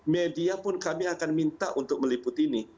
media pun kami akan minta untuk meliput ini